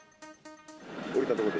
降りたところで。